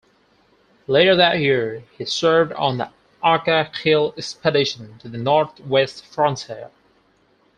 Later that year he served on the Aka Khel Expedition to the North-West Frontier.